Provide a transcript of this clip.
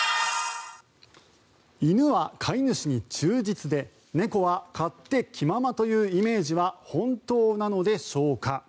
犬は飼い主に忠実で猫は勝手気ままというイメージは本当なのでしょうか。